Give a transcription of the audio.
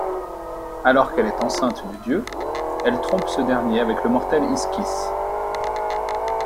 Alors qu'elle est enceinte du dieu, elle trompe ce dernier avec le mortel Ischys.